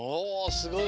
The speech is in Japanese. すごい。